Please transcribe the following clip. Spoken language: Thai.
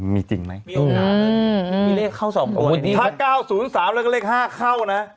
มีจริงไหมมีโอกาสมีเลขเข้าสองตัวถ้าเก้าศูนย์สามแล้วก็เลขห้าเข้านะ